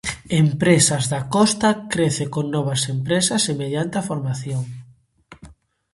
Empresas da Costa crece con novas empresas e mediante a formación.